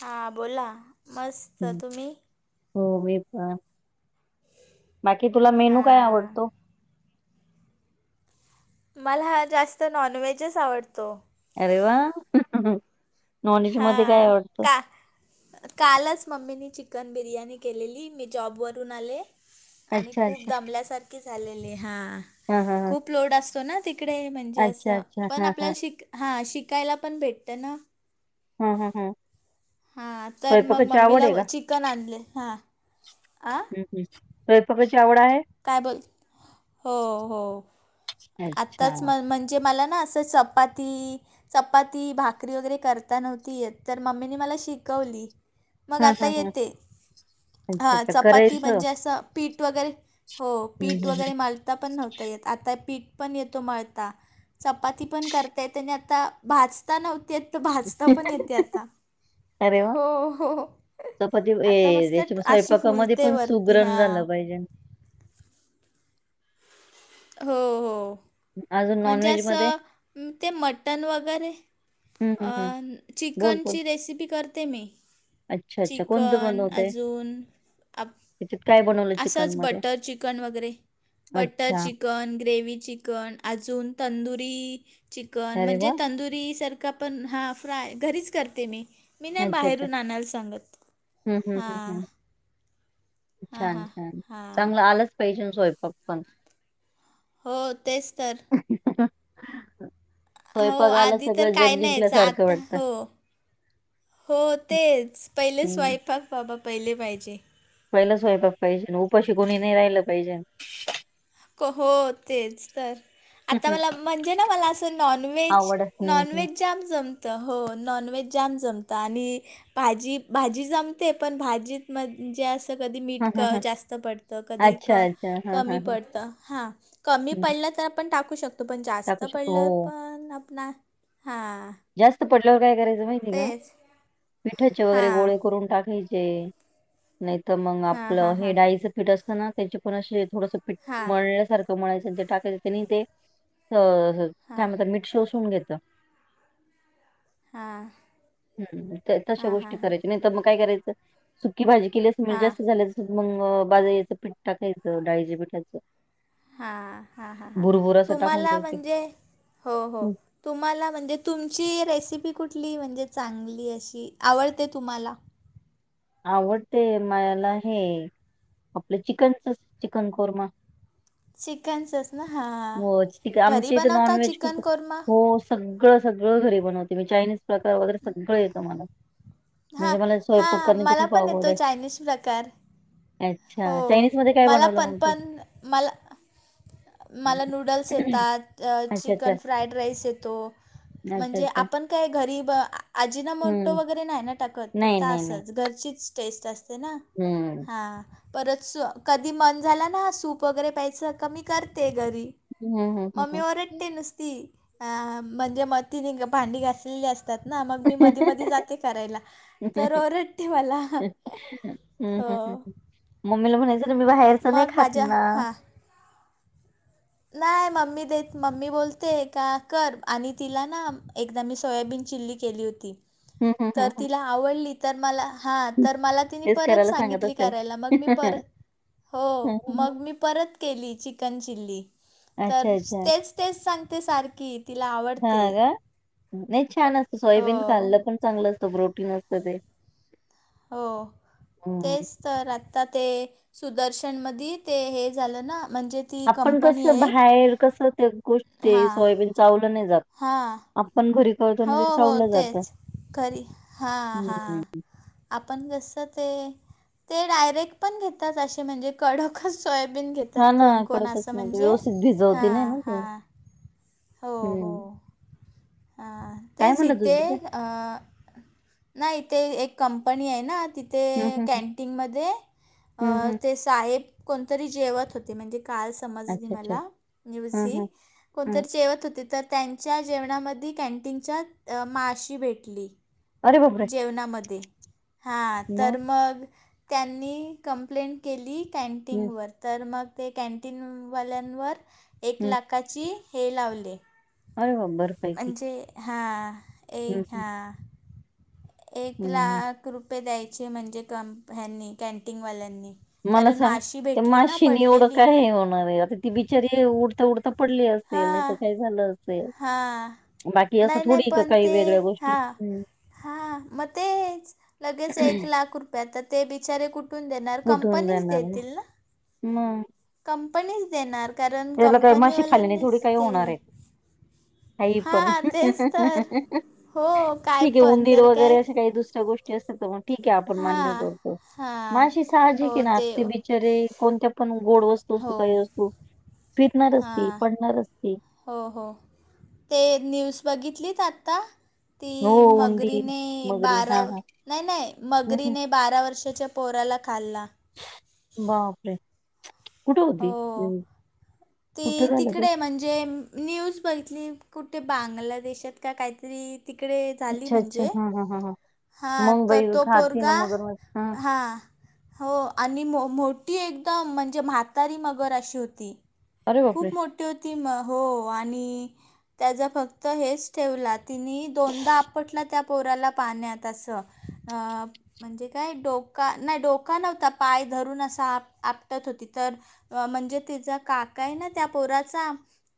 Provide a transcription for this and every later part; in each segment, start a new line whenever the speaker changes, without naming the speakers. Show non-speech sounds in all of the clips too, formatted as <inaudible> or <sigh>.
हा बोला मस्त तुम्ही?
हो मी पण बाकी तुला मेनू काय
हां
आवडतो?
मला हा जास्त नॉनव्हेजच आवडतो.
अरे वा, नॉनवज मध्ये काय
हां
आवडतं?
का कालच मम्मीनी चिकन बिर्याणी केलेली, मी जॉबवरून आले. आणि
अच्छा
खूप
अच्छा
दमल्यासारखी झालेली हा,
हा हा हा
खूप लोड असतो ना त कडे म्हणजे
अच्छा
असं
अच्छा
पण
हा हा
आपल्याला शिक् हा शिकायला पण भेटत ना?
ह ह हं.
हां तर मग मम्मीला
आहे
व
का?
चिकन आणल हां आ.
च स्वयपाकाची आवड आहे?
काय बोल? हो हो
अच्छा
आताच म म्हण जे मला ना असं चपाती चपाती भाकरी वगैरे करता नव्हती येत, तर मम्मीनी मला शिकवली. मग
हा
आता
हा हा
येते,
अच्छा
हा
अच्छा
चपाती
करायचं
म्हणजे असं पीठ वगैरे हो
हम्म
पीठ
हम्म
वगैरे मळता पण नव्हता येत, आता पीठ पण येतो मळता. चपाती पण करता येत आणि आता भाजता नव्हती
हम्म.
भाजता पण येते आता.
अरे वा
हो हो,
चपाती ए
आता
याच्या
मस्त अशी
स्वयंपाकामध्ये
फुलते
पण
वरती हा.
सुगरण झालं पाहिजे
हो हो
अजून
म्हणजे
नॉनव्हेज मध्ये
असं ते मटण वगैरे
हम्म हम्म हम्म
अं
बोल बोल
चिकनची रेसिपी करते मी.
अच्छा अच्छा कोणतं
चिकन
बनवते?
अजून आप
त्याच्यात काय बनवलं चिकन
असंच
मध्ये?
बटर चिकन वगैरे.
अच्छा.
गन ग्रेवी चिकन, अजून तंदुरी चिकन
अरे
म्हणजे
वा
तंदुरीसारखा पण हा फ्राय घरीच करते मी. मी नाय
अच्छा, अच्छा.
बाहेरून आणायला सांगत, हां. हां हां
छान-छान
हां
चांगलं, आलंच पाहिजे स्वयंपाक पण.
हो तेच तर.
<inaudible>
हो
स्वयंपाक आला
आधी तर
सगळं
काय
जग
नाय यायच
जिंकल्यासारखं
आता
वाटतं.
हो. हो तेच, पहिले
हं.
स्वयंपाक बाबा पहिले पाहिजे.
पहिलं स्वयंपाक पाहिजे, उपाशी कोणी नाही राहिलं पाहिजेन.
क् हो तेच तर. आता मला म्हणजे ना, मला असं नॉनव्हेज
आवड हं, हं.
नॉनव्हेज जाम जमतं, हो नॉन-व्हेज जाम जमतं आणि भाजी-भाजी जमते, पण भाजीत म्हणजे आस त, कधी
हं,
मीठ
हं, हं.
जास्त पडत, कधी
अच्छा,
क
अच्छा. हां,
कमी
हां, हां.
पडत, हा कमी
हं.
पड लं तर आपण टाकू शकतो, पण जास्त
टाकू शकतो.
पडलं
हो.
कोण टाकणार?
जास्त पडल्यावर काय करायचं माहिती आहे का? पिठाचे वगैरे
हां
गोळे करून टाकायचे. नाही तर मग
हां
आपलं
हां
हे
हां
डाळीचं पीठ असतना, त्यांचे पण अस थोडस पीठ
हां
मळण्यासारख मळायच ते टाकायचे, त्यांनी ते अ काय
हां
म्हणता मीठ शोषून घेत.
हां.
ह्म ह्म, तशा
हां हां
गोष्टी
हां
करायच्या, नाहीतर मग काय करायचं सुकी भाजी केली असलं मग
हां
जास्त झाली अस मग बाजरीच पीठ टाकायचं, डाळीच्या पीठाच
हां हां हां हां
टाकून
तुम्हाला
द्यायचे.
म्हणजे हो हो
हं,
तुम्हाला म्हणजे तुमची रेसिपी कुठली, म्हणजे चांगली अशी आवडते तुम्हाला.
आवडते मला हे आपलं चिकनच, चिकन कोरमा.
चिकनचंच ना हां
हो ठीक
घरी
आमच्या इथ नॉन
बनवता
व्हेज खूप
चिकन कोरमा
हो सगळं-सगळं घरी बनवते मी, चायनीज प्रकार वगैरे सगळं येतं मला.
हां
म्हणजे मला स्वयंपाक
हां
करण्याची
मला
खूप
पण
आवड
येतो
आहे.
चायनीज प्रकार.
अच्छा
हो
चायनीज मध्ये काय
मला
बनवलं
पण,
मग तू?
पण मला मला नूडल्स येतात,
अच्छा, अच्छा.
चिकन फ्राईड राईस येतो.
अच्छा,
म्हणजे
अच्छा.
आपण काय घरीब आजीना म्हतो
हं.
वगैरे नाही ना टाकत.
नाही,
फक्त असंच घरचीच टेस्ट असते ना.
हम्म
हां परत स कधी मन झाला ना सूप वगैरे प्यायचं कमी करते घरी
हं, हं, हं,
मम्मी
हं.
ओरडते नुसती अं म्हणजे म तिने भांडी घासलेली असते ना मग मी मध मध जाते करायला तर ओरडते मला
हम्म
हो
हम्् मम्मीला म्हणायचं मी बाहेरचं नाही
मग
खात
माझ्या
ना
हां नाही मम्मी देत मम्मी बोलते का कर आणि तिला ना एकदा मी सोयाबीन चिल्लि... केली होती
हम हम.
तर तिला आवडली तर मला हां तर मला तिने
तेच
परत
करायला सांगत
सांगितली
असेल.
करायला मग मी परत... हो
हं, हं.
मग मी परत केली चिकन चिल्लि. तर
अच्छा, अच्छा.
तेच तेच सांगते सारखी तिला आवडते.
हां का? नाही छान असत
हो
सोयाबीन खाल्लं पण चांगलं असतं प्रोटीन असत ते.
हो
हं.
तेच तर आता ते सुदर्शन मध ते हे झालं ना म्हणजे ती
आपण कस
कंपनी आहे एक
बाहेर कस ते गोष्ट ते
हां
सोयाबीन चावलं नाही जात
हां
आपण घरी करतो ना
हो
ते
हो
चावलं जातं.
तेच खरी हा हा
हम्म.
आपण कसं ते ते डायरेक्ट पण घेतात असे म्हणजे कडोकच सोयाबीन घेत
हा ना कडकच नव्हती व्यवस्थित भिजवती नाही
हां
ना ते
हां
हम्म
हा
काय म्हणत
तेचिथ
होती ते?
नाही इ तेे एक कंपनी आहे ना तिथ ते
हम्म, हम्म,
कॅनटीनमध्ये
हम्म, हम्म.
ते साहेब कोणतरी जेवत होते म्हणजे काल समजली
अच्छा अच्छा.
मला न्यूज
हं,
ही
हं, हं.
कोणतरी जेवत होते तर त्यांच्या जेवणामध्ये दी कॅन्टीनच्या माशी भेटली
अरे बापरे!
जेवणामध्ये हां तर मग त्यांनी कंप्लेंट केली
हं,
कॅनटीनवर तर मग ते कॅन्टीनवाल्यांवर एक
हं.
लाखाची हे लावले
अरे बबर
म्हणजे हां एक
हं,
हां एक
हं, हं.
लाख रुपये द्यायचे म्हणजे कं ह्यांनी कॅनटिनवाल्यांनी
मला सांग ते माशी नि एवढं काय होणार आहे आता ती बिचारी उड तर उडता पडली असेल नाही
हां
तर काय झालं असेल
हां
बाकी असं
नाही नाही
थोडी का
पण
काही
ते
वेगळ्या गोष्टी
हां
हं.
हा मग तेच लगेच एक लाख रुपया तर ते बिचारे कुठून द येणार कंपनी देतील ना
म
कंपनीच देणार कारण
त्याला काय माशी खाल्लीने थोडी
कंपनीवाल्यांनीच
काही
ते
होणार
हे
आहे का पण
हां, तेच तर. हो, काय
ठीक आहे
पण.
उंदीर
तर
वगैरे
काय
अशा काही दुसऱ्या गोष्टी ग ठीके आपण मान्य
हां.
करतो म
हां.
अशी साहजी
हो,
की ना
ते
जरी कोणत्या पण गोड वस्तू असू
हो.
काही असतू फिरणार असती
हां.
पडणार असती
हो हो ते न्यूज बघितलीत आत्ता ती
हो उंदीर
मगरीने
मगरी हा
बारा
हा हम्म,
नाही नाही
हम्म.
मगरीने बारा वर्षाच्या पोराला खाल्ला
बापरे! कुठे होती,
हो
कुठ
ती
झालं ते?
तिकडे म्हणजे न्यूज बघितली कुठे बांगलादेशात का काहीतरी तिकडे झाली
अच्छा अच्छा
म्हणजे
हा हा हा हा
हा
मग
तर
बाई
तो
खाती ना
पोरगा
मगरमच्छ
हा हो आणि मोठी एकदम म्हणजे म्हातारी मगर अशी होती.
अरे
खूप
बापरे
मोठी होती म हो आणि त्याचा फक्त हेच ठेवला तिने दोनदा आपटला त्या पोराला पाण्यात असं अ म्हणजे काय डोका नाही डोका नव्हता पाय धरून असा आप आपटत होती, तर म्हणजे तिचा काका आहे ना त्या पोराचा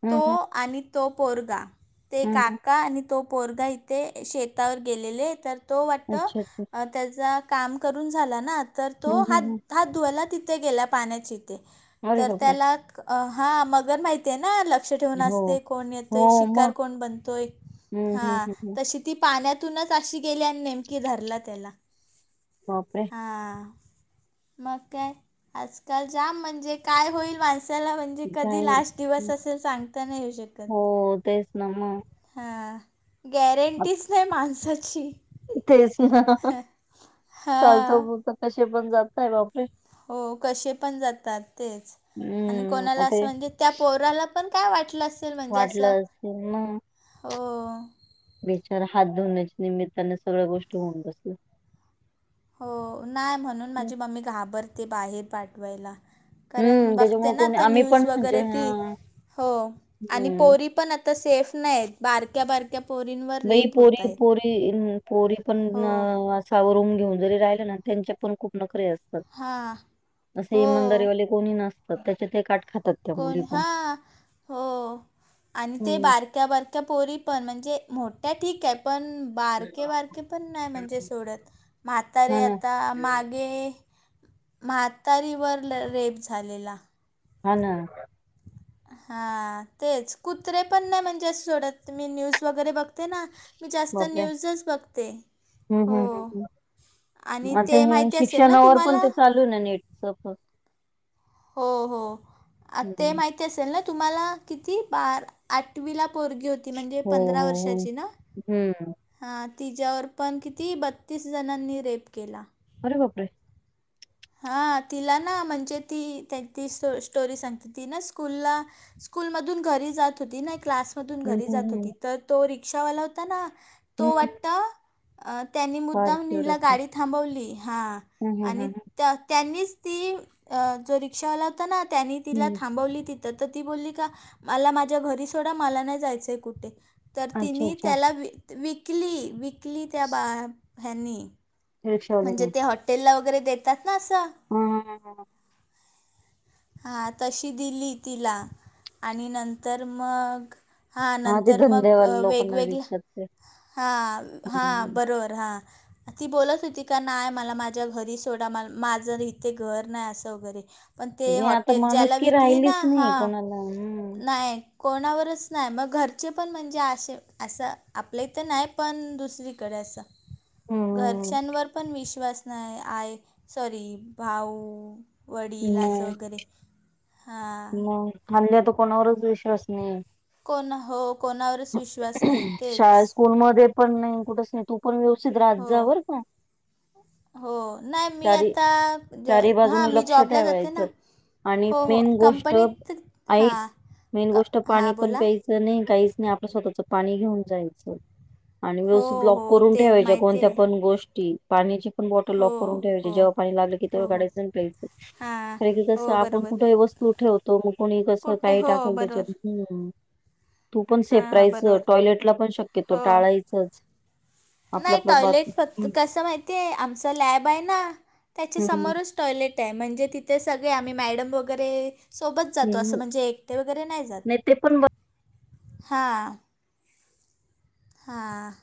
हम्म
तो
हम्म
आणि तो पोरगा ते
हम्म हम्म.
काका आणि तो पोरगा इथे शेतावर गेलेले तर तो वाटत
अच्छा अच्छा
त्याचा काम करून झाला ना तर तो
हम्म हम्म हम्म.
हात हात धुवायला तिथे गेला पाण्याची
अरे
तर
बापरे
त्याला हा मग माहिती ना लक्ष ठेवून
हो
असते कोण
हो
येतोय शिकार
मग
कोण बनतोय,
हम्म हम्म
हा
हम्म हम्म.
तशी ती पाण्यातूनच अशी गेली आणि नेमकीे धरला त्याला.
बापरे!
हा मग काय आजकाल जाम म्हणजे काय होईल माणसाला म्हण म्हणजे कधी लास्ट
काही
दिवस असेल सांगता नाही येऊ शकत.
हो तेच ना मग
हा गॅरंटीच नाही माणसाची.
चालत
हां
म कसे पण जातय, बापरे
हो कसे पण जातात तेच आणि
हम्म
कोणाला
ते
असं म्हणजे, त्या पोराला पण काय वाटलं असेल म्हणजे असं,
वाटलं असेल
हो
बेचार हात धुण्याच्या निमित्ताने सगळ्या गोष्टी होऊन बसल्या.
हो नाय म्हणून माझी मम्मी घाबरते बाहेर पाठवायला. कारण
हम्म
बघते
त्याच्यामुळे
ना
कोणी
आता
आम्ही पण
न्यूज
म्हणजे
वगैरे ती
हां
हो आणि
हम्म
पोरी पण आ सेफ नाही बारक्या-बारक्या
म पोरी, पोरी, पोरी पण
हो
अ सावरून घेऊन जरी राहिल ना त्यांच्या पण खूप नकरे असतात
हां
अस
हो
इमानदारी कोणी नसतात त्याचे ते काठ खातात, त्या मुली
कोण
पण
हा हो आणि ते
हम्म.
बार ्या बरक्या पोरी पण म्हणजे मोठ्या ठीक आहे पण, बारके बारके पण नाही म्हणजे सोडत. म्हातारे
हां ना.
आता मागे म्हातारीवर रेप झालेला.
हा ना
हा तेच कुत्रे पण नाही म्हणजे असं सोडत मी न्यूज वगैरे बघते ना, मी जास्त
बापरे
न्यूजच बघते. हो आणि
आणी ते हे
माहिती असेल ना
शिक्षणावर पण
तुम्हाला
ते चालू ना नेटच
हो हो ते
हम्म.
माहि असेल ना तुम्हाला किती बार आठवीला पोरगी होती, म्हणजे
हो
पंधरा वर्षाची ना
हम्म
हां तिच्यावर पण किती बत्तीस जणांनी रेप केला.
अरे बापरे!
हा तिला ना म्हणजे ती त्यां ती सो स्टोरी सांगते ती ना स्कूलला स्कूल मधून घरी जात होती ना क्लास मधून
हम्म
घरी जात
हम्म हम्म
होती तर तो रिक्षावाला होता ना
हम्म
तो
हम्म.
वाट अ त्यांनी
फार
मुद्दाम
क्युअर
हिला
असते
गाडी थांबवली हा
हम्म हम्म
आणि
हम्म
त्यांनीच ती जो रिक्षावाला होता ना त्यांनी तिला
हम्म.
थांबवली ति तर तर ती बोलली का, मला माझ्या घरी सोडा मला नाही जायचंय कुठे तर
हम्म. अच्छा
तिने
अच्छा
त्याला व विकली विकली त्या बा ह्यांनी
रिक्षावाले
म्हणजे ते हॉटेलला वगैरे देतात ना असं.
हम ह ह
हा तशी दिली तिला आणि नंतर मग हां
हा, ते
नंतर मग
धंदेवाले लोकांना
वेगवेगळ्या
विकतात ते
हां हां
हम्म.
बरोबर हहा ती बोलत होती का नाही मला माझ्या घरी सोडा माझं इथे घर नाही असं वगैरे. पण ते
नाही आता
हॉटेल ज्याला
माणुसकी
विकली ना
राहिलीच
हा
नाही कोणाला हम्म
नाही. कोणावरच नाही मग घरचे पण म्हणजे असे असं आपले इ तर नाही पण दुसरी. गरास
हम्म.
घरच्यांवर पण विश्वास नाही आय सॉरी भाऊ. वडील असं वगैरे हां
म खल्ल्या तर कोणावरच विश्वास नाही.
कोणा हो कोणावरच विश्वास नाही तेच
र् मग पण नाही कुठच नाही तू पण व्यवस्थित राजात
हो
जावर का?
हो नाही मी
चारी
आता
चारी
हा
बाजूनी
मी
लक्ष
जॉबला जाते
ठेवायचं
ना.
आणि
हो हो
मेन गोष्ट
कंपनीत हां
मेन
क
गोष्ट पाणी
हां
पण
बोला
प्यायचं. नाही काहीच नाही आपलं स्वतःच पाणी घेऊन जायचं. आणि
हो
व्यवस्थित लॉक
हो
करून
ते
ठेवायच्या
माहिती
कोणत्या
आहे
पण गोष्टी पाण्याची पण बॉटल
हो
लॉक करून ठेवायची
हो
जेव्हा पाणी लागलं की
हो
तेव्हा
हो
गायचं प्यायचं.
हां
खरे की कसं
हो
आपण
बरोबर
कुठेही वस्तू ठेवतो मग कोणी कसं
कुठे
काही
हो
टाकाल त्याच्यात
बरोबर
ह. तू पण
हां हां
सेपरायचं
बरोबर
टॉयलेटला पण शक्यतो
हो
टाळायचंच.
नाही
आपलंपलं बात
टॉयलेट फक्त
हम्म
कसं माहिती आहे आमचं लॅब आहे ना
हम्म
त्याच्यासमोरच टॉयलेट आहे म्हणजे तिथे सगळे आम्ही मॅडम वगैरे. सोबत जातो असं
हम्म.
म्हणजे एकटे वगैरे नाही जात.
ते पण
हां हां